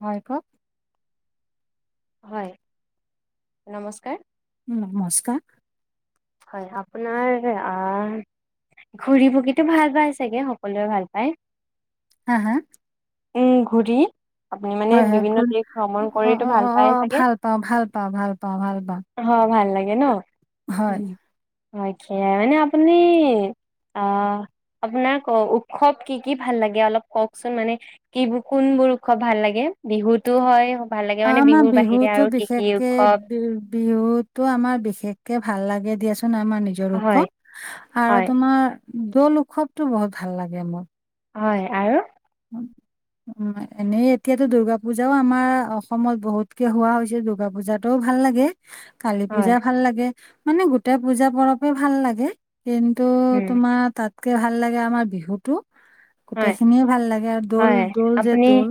হয় কওক হয় নমস্কাৰ। উম নমস্কাৰ। হয় আপোনাৰ ঘূৰি পকীতো ভাল পাই চাগে সকলোৱে ভাল পায় হা হা। উম ঘূৰি আপুনি মানে হয় হয় ঘূ বিভিন্ন দেশ ভ্ৰমণ অ অ কৰিতো অ ভাল অ পায় চাগে? ভাল পাওঁ ভাল পাওঁ ভাল পাওঁ ভাল পাওঁ হয় ভাল লাগে ন'। হয়। অ', সাই [unintelligible] মানে আপুনি অ', আপোনাক উৎসৱ কি কি ভাল লাগে অলপ কওকচোন মানে কিবোৰ কোন বিহু উৎসৱ ভাল লাগে বিহুতো হয় ভাল লাগে অ', মানে আমাৰ বিহুৰ বাহিৰে বিহুতো আৰু কি কি বিশেষকে উৎসৱ বি বিহুতো আমাৰ বিশেষকে ভাল লাগে দিয়াচোন আমাৰ নিজৰ হয়। উৎসৱ আৰু হয় তোমাৰ দৌল উৎসৱটো বহুত ভাল লাগে মোৰ। হয় আৰু [inaudible] এনেই এতিয়াতো দুূৰ্গা পূজাও আমাৰ অসমত বহুতকে হোৱা হৈছে দূৰ্গা পূজাটোও ভাল লাগে কালী পূজা হয় ভাল লাগে মানে গোটেই পূজা পৰৱে ভাল লাগে। কিন্তু উম তোমাৰ তাতকে ভাল লাগে আমাৰ বিহুতটো, গোটেই হয় খিনিয়ে ভাল লাগে আৰু দৌল হয় দৌল যে আপুনি দৌল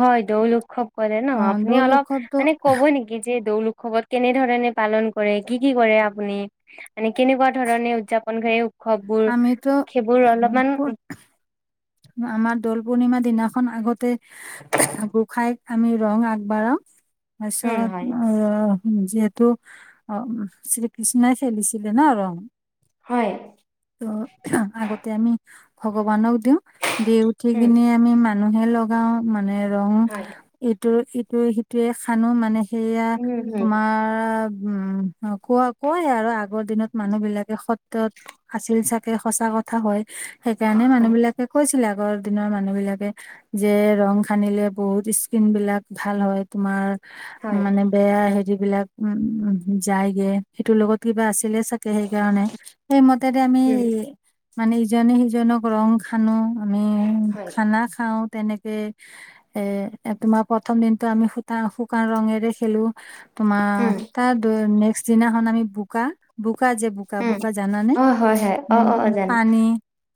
হয় দৌল উৎসৱ কৰে অ ন', আপুনি দৌল অলপ উৎসৱটো মানে ক'ব নেকি যে দৌল উৎসৱত কেনেধৰণে পালন কৰে কি কি কৰে আপুনি? মানে কেনেকুৱা ধৰণে উদ্‌যাপন কৰে উৎসৱবোৰ, আমিতো সেইবোৰ অলপমান পুৰ- আমাৰ দৌল পূৰ্ণিমাৰ দিনাখন আগতে, গোসাঁইক আমি ৰং আগবঢ়াও, তাৰপিছত উম হয় অ' উ যিহেতু, অ', শ্ৰীকৃষ্ণই খেলিছিলে ন ৰং হয় ত' আগতে আমি ভগৱানক দিওঁ। দি উঠি উম কিনি আমি মানুহে লগাও মানে ৰং হয় এইটো স সেইটোৱে খানো মানে সেয়া উম হুম তোমাৰ উম অ', কোৱা কয় আৰু আগৰ দিনত মানুহ বিলাকে স ক্ষত আছিল চাগে সঁচা কথা হয়, সেইকাৰণে হয় মানুহবিলাক কৈছিলে আগৰ দিনৰ মানুহ বিলাকে যে ৰং সানিলে বহুত স্কিন বিলাক ভাল হয় তোমাৰ হয় মানে বেয়া হেৰি বিলাক উ যায়গে সেইটোৰ লগত কিবা আছ [unintelligible] সেইকাৰণে, সেই মতে আমি উম মানে ইজনে সিজনক ৰং খানো আমি হয় খানা খাওঁ। তেনেকে এ তোমাৰ প্ৰথম দিনতো আমি শু শুকান ৰঙেৰে খেলো। তোমাৰ উম তাৰ ডো নেক্সট দিনাখন আমি বোকা বো বোকা যে বোকা উম বোকা জানানে, অ হয় হয় অ অ অ জানো পানী,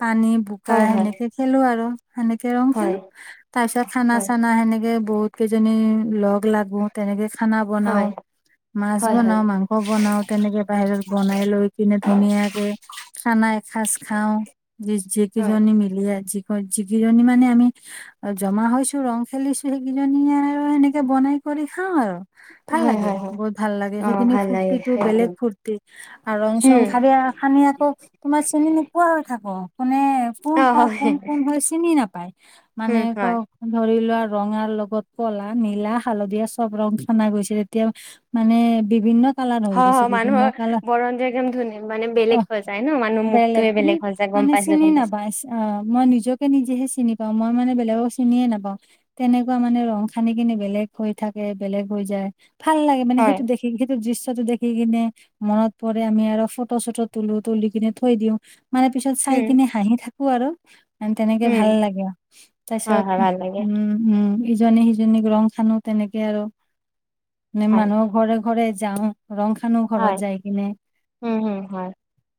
পানী বোকা হয় হয় সেনেকে খেলো আৰু হেনেকে ৰং হয় খেলো তাৰ পিছত খানা হয় চানা হেনেকে। বহুত কেইজনী লগ লাগো তেনেকে খানা বনাও। হয় মাছ হয় হয় বনাও মাংস বনাও তেনেকে বাহিৰত বনাই লৈ কিনে ধুনীয়াকে। খানা এসাঁজ খাওঁ যিকেইজনী মিলিে হয় যিকেইজনী মানে আমি, জমা হৈছো ৰং খেলিছো সেইকেইজনি আৰু সেনেকে বনাই কৰি খাওঁ আৰু। ভাল হয় হয় লাগে, হয় হয় বহুত ভাল লাগে অ সেইখিনি ভাল লাগে ফুৰ্তিটো বেলেগ একদম ফুৰ্তি, আৰু ৰং-চং উম খা খানি আকৌ, তোমাৰ চিনি নোপোৱা হৈ থাকো। মানে কোন হয় কোন কোন হৈ চিনি নাপায়, মানে উম ক হয় ধৰি লোৱা ৰঙাৰ লগত কলা, নীলা, হালধীয়া চব ৰং সানা গৈছিল তেতিয়া মানে বিভিন্ন ধ হ হ মানুহৰ, বৰন যে একদম ধুনয় মানে অ বেলেগ হৈ যায় ন মানুহ মুখটোয়ে তুমি বেলেগ হৈ যায় গম মানে চিনি পাইছোঁ গম নাপা পাইছোঁ। অ', মই নিজকে নিজেহে চিনি পাও মই মানে বেলেগক চিনিয়ে নাপাও, তেনেকুৱা মানে ৰং খান কিনে বেলেগ হৈ থাকে বেলেগ হৈ যায়, ভাল লাগে মানে সেইটো হয় দেখি সেইটো দৃশ্যটো দেখি কিনে মনত পৰে আমি আৰু ফটো চটো তলো তুলি কিনে থৈ দিওঁ। মানে পিছত চাই উম কিনেি হাঁহি থাকো আৰু। তেনেকে ভাল উম লাগে আৰু, তাৰ হয় পিছত হয় ভাল লাগে উম উম। ইজনী সিজনীক ৰং খানো তেনেকে আৰু, নে হয় মানুহৰ ঘৰে ঘৰে যাওঁ। ৰং খানো ঘৰত হয় যাই কিনে। উম হম হয় [unintelligible]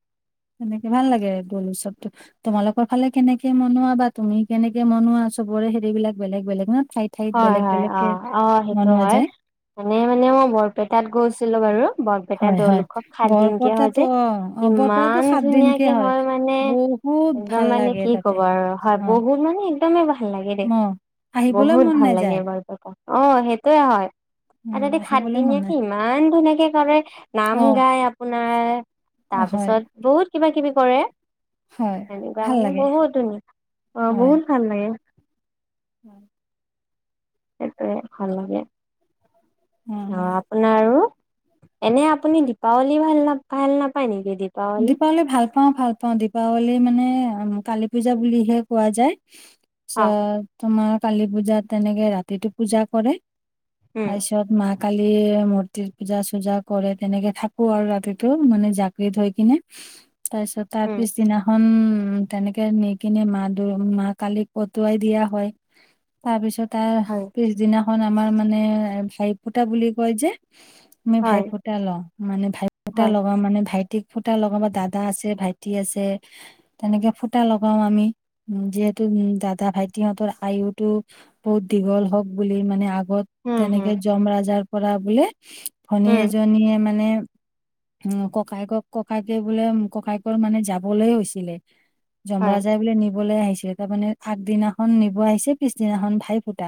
তোমালোকৰ ফালে কেনেকে মনোৱা বা তুমি কেনেকে মনোৱা চবৰে হেৰিবলাক বেলেগ বেলেগ ন। ঠাইত ঠাইত হয় বেলেগ হয় অ বেলেগকে অ সেইটো মনোৱা হয়। যায় মানে মানে মই বৰপেটাত গৈছিলো বাৰু। বৰপেটা হয় হয় দৌলোকক সাতদিনকে হয় বৰপেটাতো যে, অ অ বৰপেটাতো ইমান সাত দিনকে ধুনীয়াকে হয় মানে। বহুত একদম ভাল মানে লাগে কি তাতে কব আৰু হয় অ বহুত মানে একদমেই ভাল লাগে দেই। অ আহিবলৈ বহুত ম ভাল লাগে বৰপেটা, অ সেইটোয়ে হয়, আৰু উম তাতে আহিবলৈ মন সাতদিনীয়াকে নাই ইমান ধুনাক কে কৰে, নাম অ গায় আপোনাৰ অ হয় তাৰপিছত বহুত কিবা কিবি কৰে। হয় সেনেকুৱা ভাল মানে লাগে বহুত ধুনী, অ হয় বহুত ভাল লাগে। [unintelligible] সেইটোৱে ভাল লাগে, অ আহ আপোনা আৰু। এনে আপুনি দীপাৱলী ভাল ন ভাল নাপায় নেকি। দীপাৱলী ভাল পাও ভাল পাওঁ দীপাৱলী মানে কালী পূজা বুলিহে কোৱা যায়। -চা অ তোমাৰ কালি পূজাত তেনেকে ৰাতিটো পূজা কৰে। উম [unintelligible] কালি মূৰ্তিত পূজা চূজা কৰে তেনেকে থাকো আৰু ৰাতিটো মানে [unintelligible] কিনে তাৰপিছত তাৰ উম পিছদিনাখন উম, তেনেকে নি কিনে মা দুৰ মা কালিক উটুৱাই দিয়া হয় তাৰ পিছত তাৰ হয় পিছদিনাখন আমাৰ মানে ভাই ফুটা বুলি কয় যে, আমি ভাই হয় ফুটা লওঁ মানে ভাই ফুটা হয় লগাও মানে ভাইক ফুটা লগাব দাদা আছে ভাইটি আছে তেনেকে ফুটা লগাও আমি উম যিহেতু উম, দাদা ভাইটিহঁতৰ আয়ুটো বহুত দীঘল হওঁক বুলি মানে আ -গত উম তেনেকে হুম যম ৰাজাৰ পৰা বোলে ভনী উম এজনীয়ে মানে উম ককায়েকক ককায়েকে বোলে ককায়েকৰ মানে যাবলে হৈছিলে, যম হয় ৰাজাই বোলে নিবলৈ আহিছিল। [unintelligible] আগদিনাখন নিব আহিছে পাছদিনাখন ভাই ফুটা।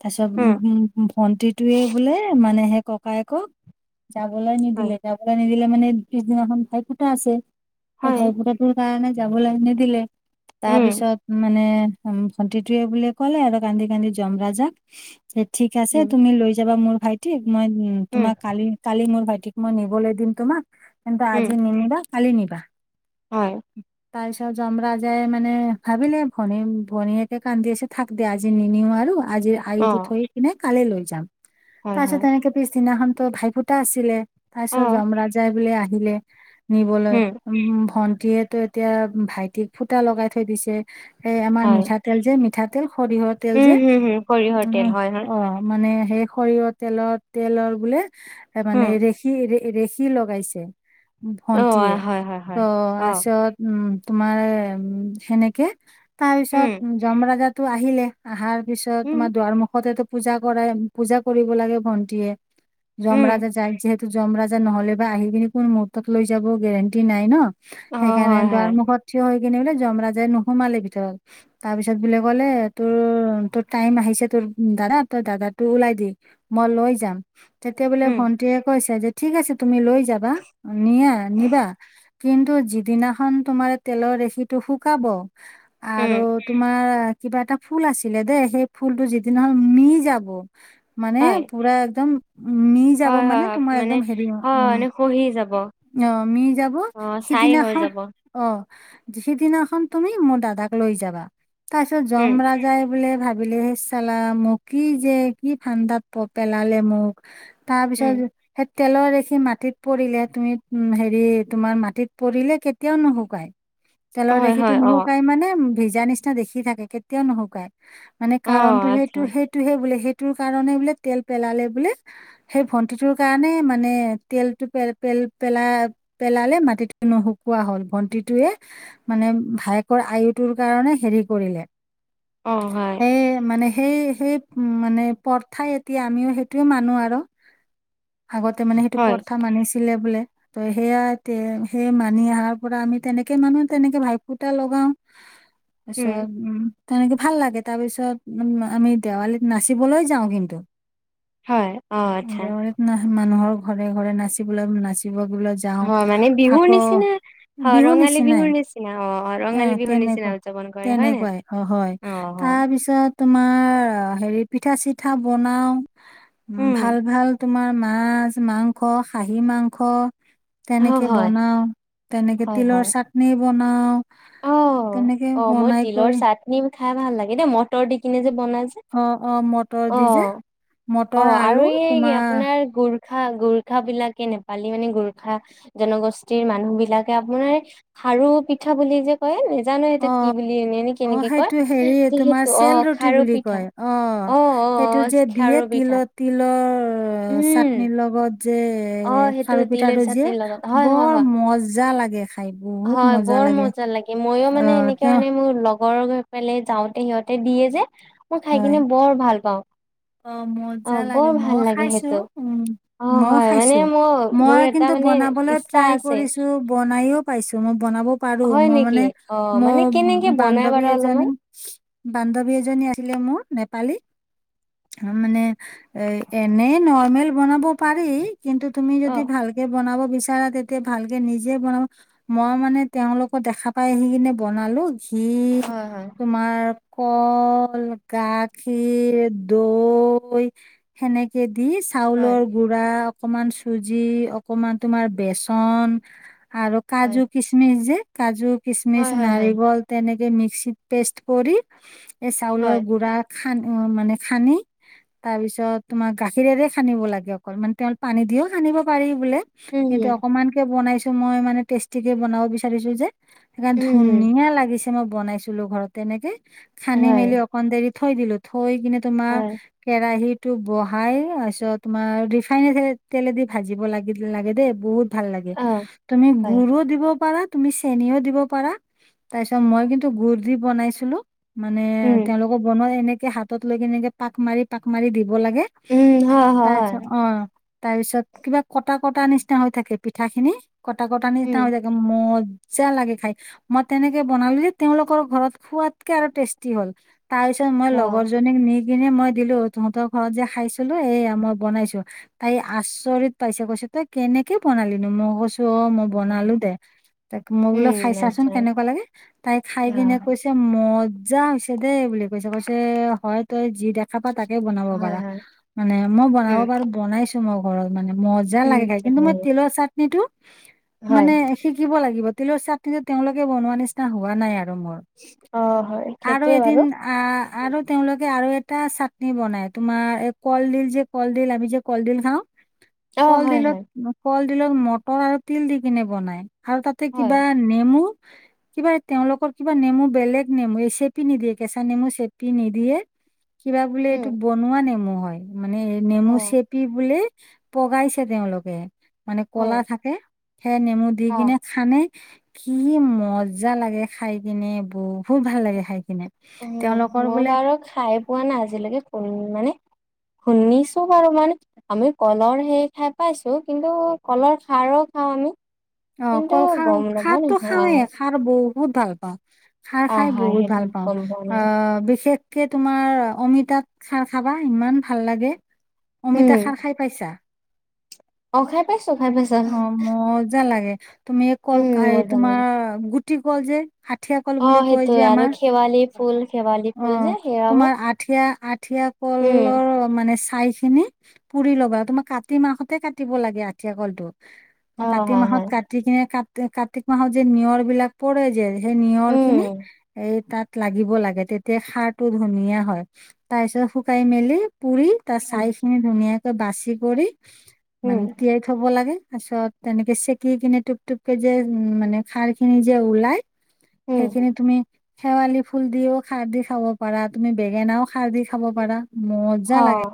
তাৰপিছত উম ভন্টিটোৱে বোলে মানে সেই ককায়েকক যাবলৈ হয় নিদিলে যাবলৈ নিদিলে মানে পিছদিনাখন ভাই ফুটা আছে। এই হয় ভাই ফুটাটোৰ কাৰণে যাবলৈ নিদিলে উম তাৰপিছত মানে ভণ্টিটোৱে বোলে ক'লে আৰু কান্দি কান্দি যম ৰাজাক ঠিক আছে উম তুমি লৈ যাবা মোৰ ভাইটিক মই উম তোমাক কালি-কালি মোৰ ভাইটি -তিক মই নিবলৈ দিম তোমাক কিন্তু উম আজি নিনিবা কালি নিবা হয়। তাৰ পিছত যম ৰাজাই মানে ভাবিলে ভনী ভনীয়েকে কান্দি আছে থাক দে আজি নিনিও আৰু আজি অ আয়োটো থৈ কিনে কালি লৈ যাম হয় তাৰপাছত হয় তেনেকে পিছদিনাখন ত ভাই ফুটা আছিলে তাৰ অ পিছত যম ৰাজাই বোলে আহিলে নিবলৈ উম ভন্টিয়েতো এতিয়া ভাইটিক ফুটা লগাই থৈ দিছে এই আমাৰ হয় মিঠাতেল যে মিঠাতেল সৰিয়হৰ তেল উম যে, হুম হুম সৰিয়হৰ তেল উম, হয় হয় অ মানে সেই সৰিয়হৰ তেলৰ-তেলৰ বোলে এ মানে উম ৰেখি ৰেখি লগাইছে। অ ভন্টিয়ে হয় হয় ত হয় অ তাৰপিছত উম। তোমাৰ উম সেনেকে তাৰ পিছত উম যম ৰাজাটো আহিলে আহাৰ পিছত উম তোমাৰ দুৱাৰ মুখতেতো পূজা কৰাই পূজা কৰিব লাগে ভন্টিয়ে যম উম ৰাজা যাই যিহেতু যম ৰাজা নহলে বা আহি কিনে কোন মুহুৰ্তত লৈ যাব গেৰেণ্টি নাই ন অ সেইকাৰণে হয় দুৱাৰ হয় মুখত থিয় হৈ যম ৰাজে নোসোমালে ভিতৰত তাৰপিছত বোলে ক'লে তোৰ-তোৰ টাইম আহিছে তোৰ দাদা তই দাদাটো ওলাই দি মই লৈ যাম তেতিয়া বোলে উম ভন্টিয়ে কৈছে যে ঠিক আছে তুমি লৈ যাবা নিয়া নিবা কিন্তু যিদিনাখন তোমাৰ তেলৰ ৰেখিটো শুকাব আৰু উম তোমাৰ কিবা এটা ফুল আছিলে দেই সেই ফুলটো যিদিনাখন মি যাব মানে হয় পুৰা একদম মি যাব হয় হয় মানে হয় তোমাৰ একদম হেৰি হয় উম মানে খহি যাব অ মি যাব অ ছাই হৈ সিদিনাখন যাব অ সিদিনাখন তুমি মোৰ দাদাক লৈ যাবা তাৰ পিছত যম উম ৰাজাই বোলে ভাবিলে হে চাল্লা মোক কি যে কি ফান্দত পেলালে মোক তাৰ উম পিছত সেই তেলৰ ৰেখি মাটিত পৰিলে তুমি উম হেৰি তোমাৰ মাটিত পৰিলে কেতিয়াও নুশুকায় তেলৰ হয় ৰেখিটো হয় অ নুশুকাই মানে ভিজা নিচিনা দেখি থাকে কেতিয়াও নুশুকায় মানে অ কাৰণটো আচ্ছা সেইটো সেইটোহে বোলে সেইটো ৰ কাৰণে বোলে তেল পেলালে বোলে সেই ভন্টিটোৰ কাৰণে মানে তেলটো পে পেল-পেলাই-পেলালে মাটিত নুশুকোৱা হ'ল ভন্টিটোৱে মানে ভায়েকৰ আয়ুটোৰ কাৰণে হেৰি কৰিলে অ হয়। সেই মানে সেই সেই মানে প্ৰথাই এতিয়া আমিও সেইটোৱে মানো আৰু। আগতে মানে সেইটো হয় প্ৰথা মানিছে বোলে ত সেয়া এ সেই মানি অহাৰ পৰা আমি তেনেকে মানুহে তেনেকে ভাই ফুতা লগাও [unintelligible] আ্ছা উম তেনেকে ভাল লাগে তাৰ পিছত উ আমি দেৱালীত নাচিবলৈ যাওঁ কিন্তু হয় অ আচ্ছা দেৱালীত না মানুহৰ ঘৰে ঘৰে নাচিবলৈ নাচিব যাও হয় মানে বিহুৰ আকৌ নিচিনা হয় বিহু ৰঙালী নিচিনাই বিহুৰ নিচিনা অ অ এ ৰঙালী বিহুৰ নিচিনা তেনেকুৱা উদযাপন কৰে হয় নাই তেনেকুৱাই অ হয় তাৰপিছত তোমাৰ হেৰি পিঠা চিঠা বনাও উম ভাল ভাল তোমাৰ মাছ মাংস খাহী মাংস অ তেনেকে হয় বনাও তেনেকে হয় তিলৰ হয় চাটনি বনাও অ তেনেকে অ মোৰ বনাই তিলৰ কৰি চাটনি খাই ভাল লাগে দেই ম ৰ দি কিনে যে বনাই যে অ অ মটৰ অ দি যে অ মটৰ আৰু আলু এই কি তোমাৰ আপোনাৰ গ গোখা গোৰ্খ বিলাকে নেপালী মানে গোৰ্খা জনগোষ্ঠীৰ মানুহ বিলাকে আপোনাৰ সাৰু পিঠা বুলি যে কয় নেজানো অ সেইটো কি বুলি এনে এনে অ কেনেকে কয় সেইটো হেৰি তোমাৰ যিহেতু চেল অ', ৰুটি খাৰু বুলি পিঠা কয় অ অ', সেইটো অ', যে দিয়ে খাৰু পিঠা তিলত তিলৰ উম, চাটনিৰ লগত যে অ', সেইটো খাৰু তিলৰ পিঠাটো যে চাটনিৰ লগত হয়, হয়, বৰ হয়। মজা লাগে খাই বহুত হয় মজা বৰ মজা লাগে মইো অ মানে সেনেকে তেওঁ মানে মোৰ লগৰ গৈ পেলে যাওঁতে সিহঁতে দিয়ে যে মই খাই হয় কিনে বৰ ভাল পাওঁ অ অ মজা বৰ লাগে ভাল মইও লাগে খাইছো সেইটো উম অ মই হয় খাই মানে মোৰ মোৰ মই এটা কিন্তু মানে বনাবলৈ ইচ্ছা াই আছে কৰিছো বনাইও পাইছো মই বনাব পাৰো হয় মই নেকি মানে অ মানে মোৰ কেনেকে বনাই বান্ধৱী বাৰু এজনী অলপমান বান্ধৱী এজনী [unintelligible] ভ ব অ বিচাৰা তেতিয়া ভালকে নিজে বনাব মই মানে তেওঁলোকক দেখা পাই আহি কিনে বনালো ঘি হয় হয় তোমাৰ কল গাখীৰ দৈ সেনেকে দি হয় চাউলৰ গুৰা অকমান চুজি অকমান তোমাৰ বেচন আৰু কাজু হয় কিচমিচ যে কাজু কিচমিচ হয় হয় হয় নাৰিকল তেনেকে মিক্সিত পেষ্ট কৰি এই চাউলৰ হয় গুড়া খান্ মানে খান্দি তাৰ পিছত তোমাৰ গাখিৰেৰে খানিব লাগে অকল মানে তেওঁল পানী দিও খানিব পাৰি বোলে উম কিন্তু হুম অকমান কে বনাইছো মই মানে টেষ্টিকে বনাব বিচাৰিছো যে সেইকাৰণ উম হুম ধুনীয়া লাগিছে মই বনাইছিলো ঘৰত তেনেকে খান্দি হয় মেলি অকণ দেৰি থৈ দিলো থৈ কিনে তোমাৰ হয় কেৰাহিতত টো বহাই তাৰপিছত তোমাৰ ৰিফাইন তেলেদি ভাজিব লাগিল লাগে দেই বহুত ভাল লাগে অ তুমি হয় গু়ৰো দিব পাৰা তুমি চেনিও দিব পাৰা তাৰ পিছত মই কিন্তু গুডুৰ দি বনাইছিলো মানে উম তেওঁলোকক বনোৱা এনেকে হাতত লৈ কেনেকে পাক মাৰি পাক মাৰি দি দিব লাগে উম হয় হয় তাৰ হয় পিছত অ তাৰ পিছত কিবা কটা কটা নিচিনা হৈ থাকে পিঠাখিনি কটা কটা নিচিনা উম হৈ থাকে মজ ইচ্জা লাগে খাই মই তেনেকে বনালো যে তেওঁলোকৰ ঘৰত খোৱাতকে আৰু টেষ্টি হল তাৰ পিছত মই অ লগৰ নি কিনে মই দিলো তহঁতৰ ঘৰত যে খাইছিলো এইয়া মই বনাইছো তাই আচৰিত পাইছে কৈছে তই কেনেকে বনালিনো মগছ অ মই বনালো দে ত মই বোলে উম খাইছাচোন আচ্ছা কেনেকুৱা লাগে তাই খাই অ পিনে কৈছে মজা হৈছে দেই বুলি কৈছে কৈছে হয় তই যি দেখা পা তাকে বনাব হয় পাৰা হয় মানে মই বনাব উম পাৰো বনাইছো মই ঘৰত মানে মজা উম, লাগে খায় কিন্তু মই হয়, তিলৰ চাটনি টো হয়। মানে শিকিব লাগিব তিলৰ চাটনি কিন্তু তেওঁলোকে বনোৱা নিচিনা হোৱা নাই আৰু মোৰ অ', হয়, আৰু সেইটোৱে এদিন বাৰু। আহ আৰু হে আৰু এটা চাটনি বনাই তোমাৰ এই কলডিল যে কলডিল আমি যে কলডিল খাও অ', হয়, কলডিলত হয়, কলডিলত মটৰ আৰু তিল দি কিনে বনাই আৰু তাতে হয়, কিবা নেমু কিবা তেওঁলোকৰ কিবা নেমু বেলেগ নেমু এই চেপি নিদিয়ে কেঁচা নেমু চেপি নিদিয়ে দিয়ে কিবা বোলে এইটো উম, বনোৱা নেমু হয় মানে এই নেমু অ', চেপি বোলে পগাইছে তেওঁলোকে মানে কলা হয়, থাকে সেই নেমু দি অ'। কিনে খানে কি মজা লাগে খাই কিনে বহুত ভাল লাগে খাই কি তেওঁলোকৰ বোলে ধ খাই পোৱা না আজিলৈকে কোন মানে শুনিছো বাৰু মানে আমি কলৰ সেই ঠাই পাইছো কিন্তু কলৰ খাৰৰ খাওঁ আমি অ কিন্তু কল খাৰ গম নাপাওঁ নে খাৰতটো খাওঁৱেই অ', খাৰ বহুত ভাল পাওঁ খাৰ অ', খাই হয়, বহুত সেইটো ভাল পাওঁ গম পোৱা নাই। আহ বিশেষ কে তোমাৰ অমিতাত খাৰ খাবা, ইমান ভাল লাগে। অমিতা উম, খাৰ খাই পাইছা? অ', খাই পাইছোঁ, খাই পাইছোঁ। অ', মজা লাগে, তুমি কল কাই তোমাৰ গুটি কল যে আঠিয়া কল বুলি অ', কয় যে সেইটোয়ে আৰু আমাৰ, শেৱালি ফুল, শেৱালি অ', ফুল যে সেয়াও তোমাৰ আঠিয়া আঠিয়া উম, কলৰ মানে খাগচেনে পুৰি ল'বা আৰু তোমাৰ কাতি মাহতে কাটিব লাগে আঠিয়া কলটো অ', তোমাৰ কাতি হয়, মাহত হয়, কাটি কিনে ক কাতিক মাহত যে নিয়ৰ বিলাক পৰে যে সেই নিয়ৰ উম, খিনি এই তাত লাগিব লাগে তেতিয়া সাৰ টো ধুনীয়া হয় তাৰ পিছত শুকাই মেলি পুৰি তাৰ উম, ছাইখিনি ধুনীয়াকৈ বাছি কৰি, উম। মানে তিয়াই থ'ব লাগে, তাৰছত তেনেকে চেকি কিনে টোপ টোপকে যে উম মানে খাৰ খিনি যে ওলাই। সেইখিনি তুমি শেৱালি ফুল দিও খাৰ দি খাব পাৰা, তুমি বেঙেনাও খাৰ দি খাব পাৰা। মজা লাগে।